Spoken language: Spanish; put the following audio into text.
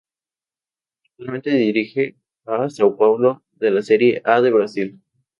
Actualmente dirige a São Paulo de la Serie A de Brasil.